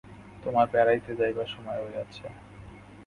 তোমার বেড়াইতে যাইবার সময় হইয়াছে।